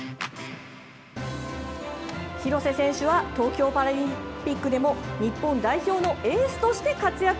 廣瀬選手は東京パラリンピックでも日本代表のエースとして活躍。